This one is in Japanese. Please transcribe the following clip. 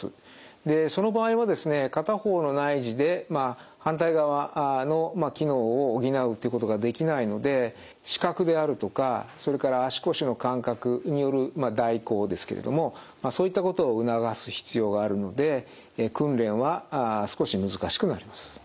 でその場合はですね片方の内耳で反対側の機能を補うってことができないので視覚であるとかそれから足腰の感覚による代行ですけれどもそういったことを促す必要があるので訓練は少し難しくなります。